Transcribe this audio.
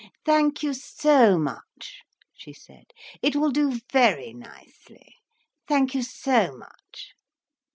"Thank you so much," she said. "It will do very nicely. Thank you so much."